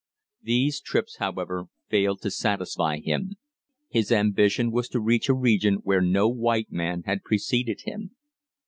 These trips, however, failed to satisfy him; his ambition was to reach a region where no white man had preceded him.